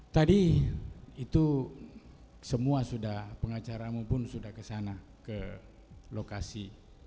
tadi itu semua sudah pengacaramu pun sudah ke sana ke lokasi